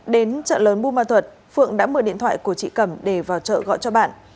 đến chợ lớn buôn ma thuật phượng đã mượn điện thoại của chị cẩm để vào chợ gọi cho bạn